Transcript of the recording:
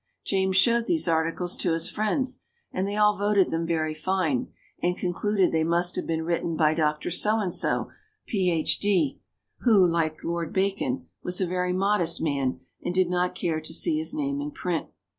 James showed these articles to his friends, and they all voted them very fine, and concluded they must have been written by Doctor So and So, Ph.D., who, like Lord Bacon, was a very modest man and did not care to see his name in print.